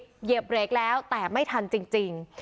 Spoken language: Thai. เหยียบเบรกแล้วแต่ไม่ทันจริง